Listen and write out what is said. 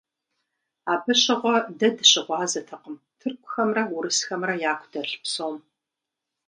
Абы щыгъуэ дэ дыщыгъуазэтэкъым тыркухэмрэ урысхэмрэ яку дэлъ псом.